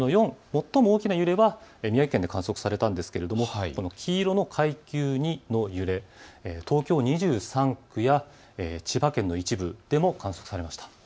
４、最も大きな揺れが宮城県で観測されたんですがこの黄色の階級２の揺れは東京２３区や千葉県の一部でも観測されました。